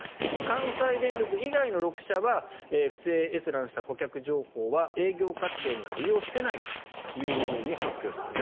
関西電力以外の６社は不正閲覧した顧客情報は営業活動には利用していないと発表しています。